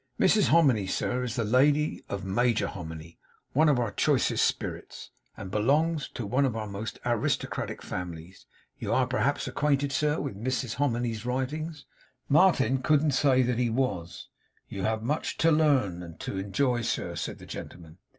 'Mrs Hominy, sir, is the lady of Major Hominy, one of our chicest spirits; and belongs Toe one of our most aristocratic families. You air, p'raps, acquainted, sir, with Mrs Hominy's writings.' Martin couldn't say he was. 'You have much Toe learn, and Toe enjoy, sir,' said the gentleman.